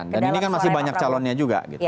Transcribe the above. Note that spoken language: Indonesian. dan ini kan masih banyak calonnya juga gitu